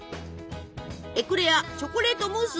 エクレアチョコレートムース